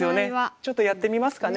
ちょっとやってみますかね。